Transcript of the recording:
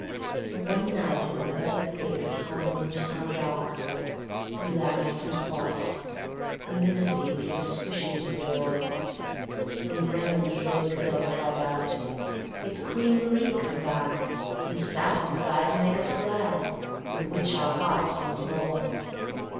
For one night in the Purple Pig, upon the rue Saint Jacques, We laughed and quaffed ... a limousine came swishing to the door; Then Raymond Jolicoeur cried out: "It's Queen Marie come back, In satin clad to make us glad, and witch our hearts once more."